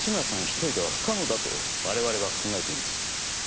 一人では不可能だと我々は考えています。